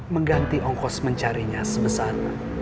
mengganti ongkos mencarinya sebesar